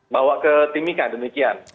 bawa ke timika demikian